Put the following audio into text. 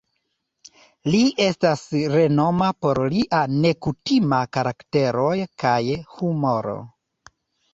Li estas renoma por lia nekutima karakteroj kaj humoro.